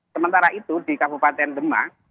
sementara itu di kabupaten demak